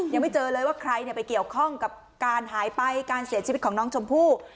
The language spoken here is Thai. ยังไม่เจอเลยว่าใครไปเกี่ยวข้องกับการหายไปการเสียชีวิตของน้องชมพู่